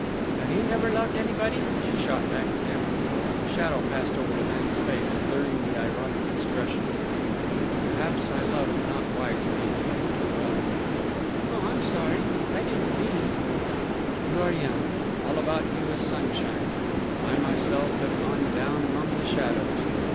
"Have you never loved anybody?" she shot back at him. A shadow passed over the man's face, clearing the ironic expression. "Perhaps I loved not wisely but too well." "Oh, I'm sorry! I didn't mean " "You are young; all about you is sunshine; I myself have gone down among the shadows.